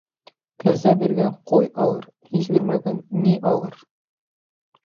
Кәзә биргән ҡуй алыр, һис бирмәгән ни алыр?